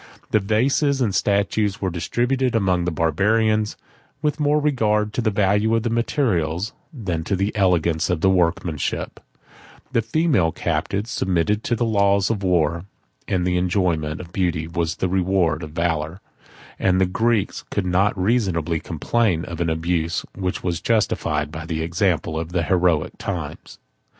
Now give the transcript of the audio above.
11 The vases and statues were distributed among the Barbarians, with more regard to the value of the materials, than to the elegance of the workmanship; the female captives submitted to the laws of war; the enjoyment of beauty was the reward of valor; and the Greeks could not reasonably complain of an abuse which was justified by the example of the heroic times.